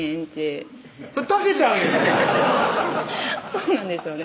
そうなんですよね